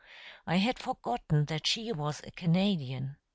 I had forgotten that she was a Canadian."